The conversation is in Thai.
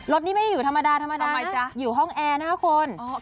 รถนี้ไม่ได้อยู่ธรรมดาทำไมจ้ะอยู่ห้องแอร์นะคุณ